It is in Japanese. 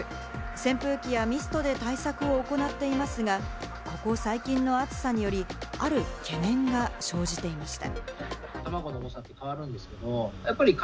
扇風機やミストで対策を行っていますが、ここ最近の暑さにより、ある懸念が生じていました。